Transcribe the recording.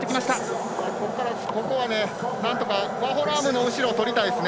なんとかワホラームの後ろをとりたいですね。